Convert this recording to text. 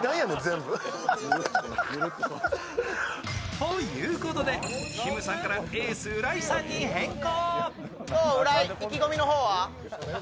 ということできむさんから浦井さんに変更。